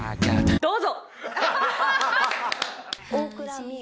どうぞ。